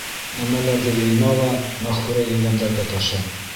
Нәмәләрҙе йыйна ла Мәғфүрә еңгәмдәргә ташы.